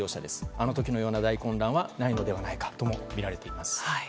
あの時のような大混乱はないのではないかともみられています。